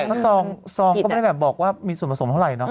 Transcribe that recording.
แล้วซองก็ไม่ได้แบบบอกว่ามีส่วนผสมเท่าไหรเนาะ